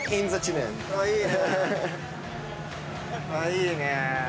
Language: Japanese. いいね！